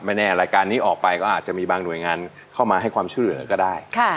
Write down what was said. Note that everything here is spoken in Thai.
แน่รายการนี้ออกไปก็อาจจะมีบางหน่วยงานเข้ามาให้ความช่วยเหลือก็ได้